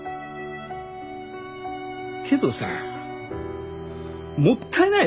けどさもったいないよね。